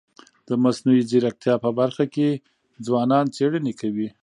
د مصنوعي ځیرکتیا په برخه کي ځوانان څيړني کوي.